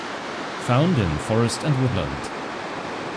Found in forest and woodland.